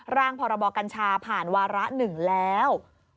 ร่างพรบกัญชาผ่านวาระ๑แล้ว